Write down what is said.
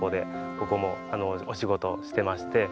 ここもお仕事してまして。